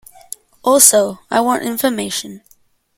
Also, I want information.